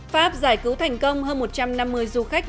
pháp giải cứu thành công hơn một trăm năm mươi du khách